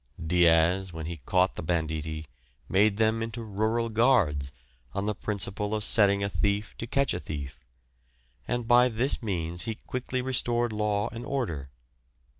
Diaz, when he caught the banditti, made them into rural guards, on the principle of setting a thief to catch a thief, and by this means he quickly restored law and order.